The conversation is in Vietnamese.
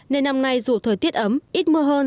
nên năm nay dù thời tiết ấm ít mưa hơn